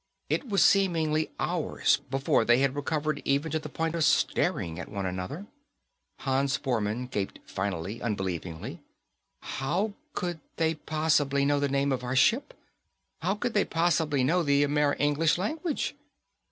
It was seemingly hours before they had recovered even to the point of staring at one another. Hans Bormann gasped finally, unbelievingly, "How could they possibly know the name of our ship? How could they possibly know the Amer English language?"